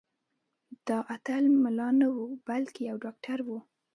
دا اتل ملا نه و بلکې یو ډاکټر و.